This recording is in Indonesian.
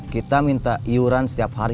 kita minta iuran setiap hari